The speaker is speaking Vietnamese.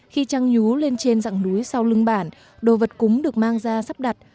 khi trăng nhú lên trên dạng núi sau lưng bản đồ vật cúng được mang ra sắp đặt